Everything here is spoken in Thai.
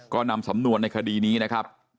ก็นำสำนวนในคดีนี้นะครับ